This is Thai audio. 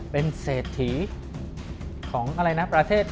เป็นเศรษฐีของอะไรนะประเทศ